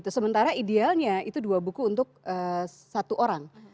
sementara idealnya itu dua buku untuk satu orang